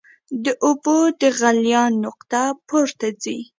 د اوبو د غلیان نقطه پورته ځي.